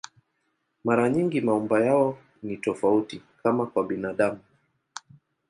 Mara nyingi maumbo yao ni tofauti, kama kwa binadamu.